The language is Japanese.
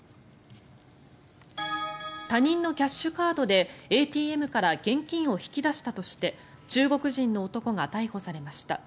他人のキャッシュカードでＡＴＭから現金を引き出したとして中国人の男が逮捕されました。